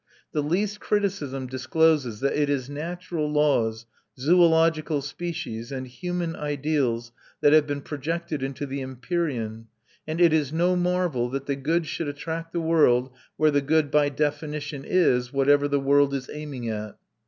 The least criticism discloses that it is natural laws, zoological species, and human ideals, that have been projected into the empyrean; and it is no marvel that the good should attract the world where the good, by definition, is whatever the world is aiming at.